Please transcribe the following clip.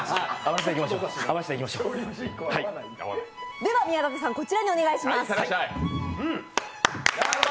では宮舘さん、こちらにお願いします。